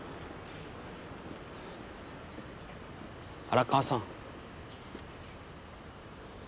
荒川さん。